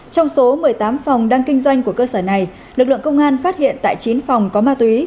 trong số một mươi tám phòng đang kinh doanh của cơ sở này lực lượng công an phát hiện tại chín phòng có ma túy